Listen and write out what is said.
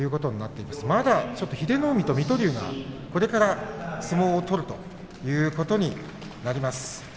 まだ英乃海と水戸龍はこれから相撲を取るということになります。